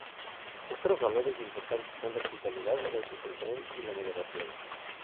Otros valores importantes son la hospitalidad, el autocontrol y la moderación.